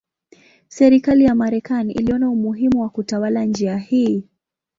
Serikali ya Marekani iliona umuhimu wa kutawala njia hii.